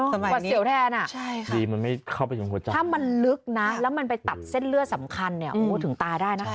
สมัยนี้ใช่ค่ะถ้ามันลึกนะแล้วมันไปตัดเส้นเลือดสำคัญถึงตายได้นะ